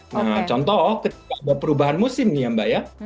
nah contoh ketika ada perubahan musim nih ya mbak ya